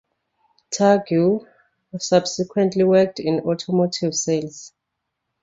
Tague subsequently worked in automotive sales.